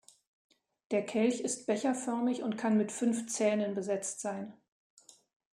Der Kelch ist becherförmig und kann mit fünf Zähnen besetzt sein.